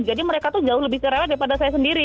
jadi mereka tuh jauh lebih cerewet daripada saya sendiri